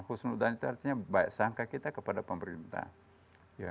khusnudan itu artinya baik sangka kita kepada pemerintah